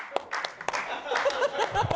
ハハハハ！